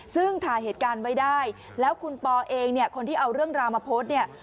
ซึ่งถ่ายเหตุการณ์ไว้ได้แล้วคุณปอเองเนี่ยคนที่เอาเรื่องราวมาโพสต์เนี่ย